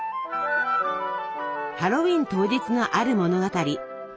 ハロウィーン当日のある物語。